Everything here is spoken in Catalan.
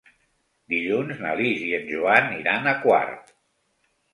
Dilluns na Lis i en Joan iran a Quart.